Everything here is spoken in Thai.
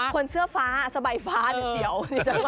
คนเสื้อฟ้าสะใบฟ้าเสียว